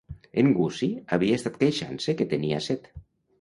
En Gussie havia estat queixant-se que tenia set.